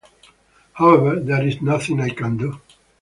However, there is nothing I can do.